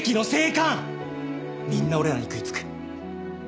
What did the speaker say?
みんな俺らに食いつく。